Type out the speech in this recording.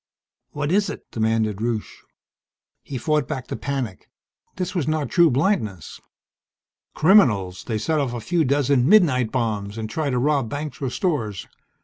"What is it?" demanded Rusche. He fought back the panic. This was not true blindness. "Criminals. They set off a few dozen 'midnight' bombs and try to rob banks or stores.